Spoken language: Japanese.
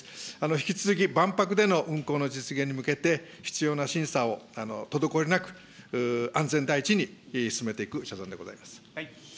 引き続き万博での運行の実現に向けて、必要な審査を滞りなく、安全第一に進めていく所存でございます。